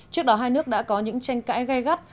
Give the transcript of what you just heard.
trước đó hai nước đã có những tranh cãi gai gắt